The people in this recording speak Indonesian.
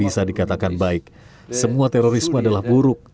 semua teroris adalah buruk